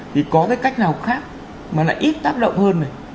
thì có cái cách nào khác mà lại ít tác động hơn này